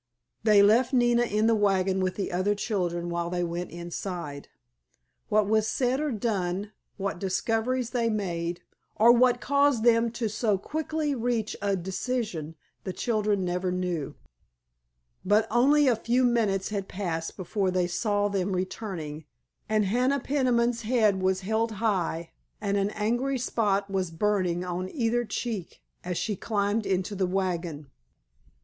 They left Nina in the wagon with the other children while they went inside. What was said or done, what discoveries they made, or what caused them to so quickly reach a decision the children never knew; but only a few minutes had passed before they saw them returning, and Hannah Peniman's head was held high and an angry spot was burning on either cheek as she climbed into the wagon.